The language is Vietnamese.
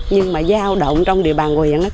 nhưng mà giao động trong địa bàn huyện